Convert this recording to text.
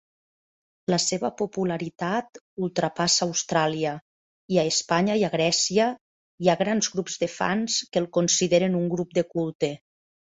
La seva popularitat ultrapassa Austràlia i, a Espanya i a Grècia, hi ha grans grups de fan que el consideren un grup de culte.